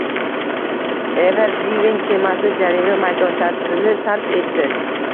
Ever Given kemasi "jarima maydonchasi"ni tark etdi